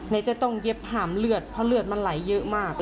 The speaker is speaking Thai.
จะต้องเย็บหามเลือดเพราะเลือดมันไหลเยอะมาก